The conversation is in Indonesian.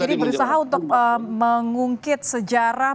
jadi berusaha untuk mengungkit sejarah